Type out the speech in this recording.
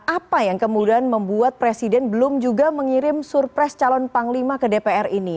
apa yang kemudian membuat presiden belum juga mengirim surpres calon panglima ke dpr ini